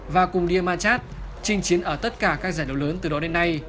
và cùng diarmachat trình chiến ở tất cả các giải đấu lớn từ đó đến nay